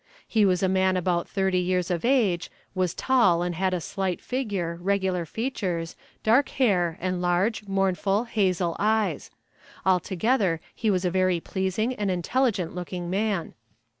He was a man about thirty years of age, was tall and had a slight figure, regular features, dark hair and large, mournful, hazel eyes; altogether he was a very pleasing and intelligent looking man.